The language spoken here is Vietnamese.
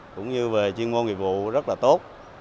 cũng như về chuyên môn nghiệp vụ rất là tốt